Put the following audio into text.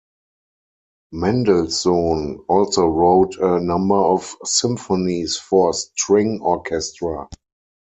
Mendelssohn also wrote a number of symphonies for string orchestra.